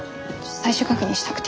最終確認したくて。